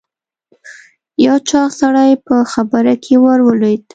یو چاغ سړی په خبره کې ور ولوېد.